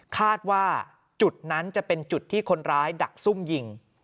คาดว่าจุดนั้นจะเป็นจุดที่คนร้ายดักซุ่มยิง